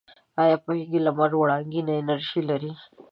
آیا یوازې لمر وړنګینه انرژي لري؟